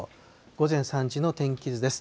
午前３時の天気図です。